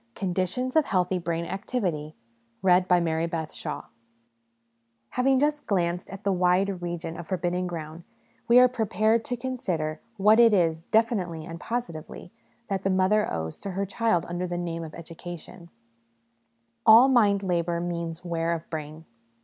CONDITIONS OF HEALTHY BRAIN ACTIVITY Having just glanced at the wide region of for bidden ground, we are prepared to consider what it is, definitely and positively, that the mother owes to her child under the name of Education. SOME PRELIMINARY CONSIDERATIONS 21 All Mind Labour means Wear of Brain.